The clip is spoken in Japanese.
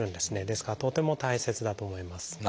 ですからとても大切だと思います。